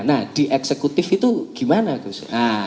nah di eksekutif itu gimana gus